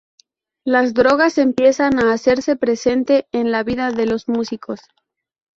Las drogas empiezan a hacerse presente en la vida de los músicos.